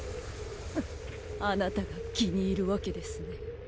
フフあなたが気に入るわけですね。